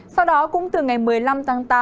sau đó cũng từ ngày một mươi năm tháng tám